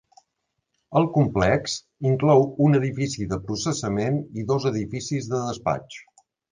El complex inclou un edifici de processament i dos edificis de despatx.